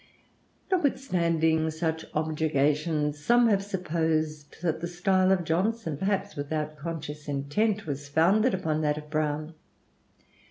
Notwithstanding such objurgations, some have supposed that the style of Johnson, perhaps without conscious intent, was founded upon that of Browne.